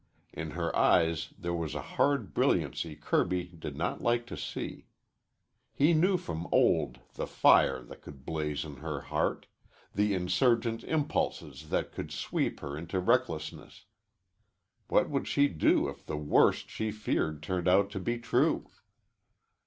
In her eyes there was a hard brilliancy Kirby did not like to see. He knew from of old the fire that could blaze in her heart, the insurgent impulses that could sweep her into recklessness. What would she do if the worst she feared turned out to be true?